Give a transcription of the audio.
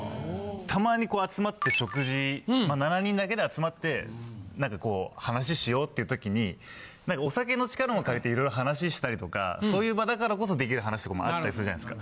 たまにこう集まって食事７人だけで集まってなんかこう話しようっていうときにお酒の力も借りていろいろ話したりとかそういう場だからこそ出来る話とかもあったりするじゃないですか。